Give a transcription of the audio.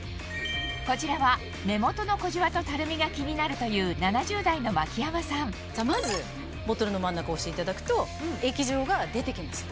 こちらは目元の小じわとたるみが気になるというまずボトルの真ん中を押していただくと液状が出てきます。